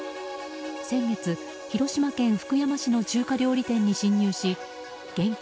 先月、広島県福山市の中華料理店に侵入し現金